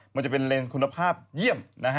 มันจะเป็นเลนคุณภาพเยี่ยมนะฮะ